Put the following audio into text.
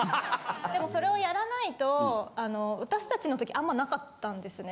でもそれをやらないと私達の時あんまなかったんですね。